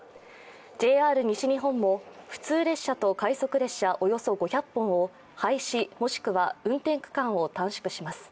ＪＲ西日本も普通列車と快速列車およそ５００本を廃止、もしくは運転区間を短縮します。